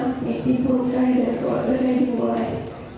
mimpi buruk saya dan keluarga saya dimulai